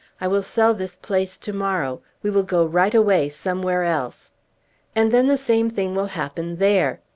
I will sell this place to morrow. We will go right away somewhere else." "And then the same thing will happen there!